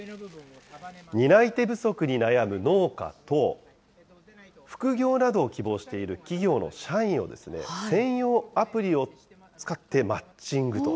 担い手不足に悩む農家と、副業などを希望している企業の社員をですね、専用アプリを使ってマッチングと。